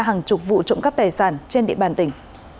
hàng chục vụ trộm cắp tài sản trên địa bàn tỉnh